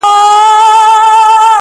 پوهه انسان ته لیدلورى ورکوي.